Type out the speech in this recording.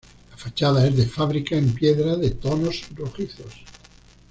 La fachada es de fábrica en piedra de tonos rojizos.